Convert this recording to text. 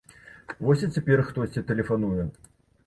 Вось і цяпер хтосьці тэлефануе.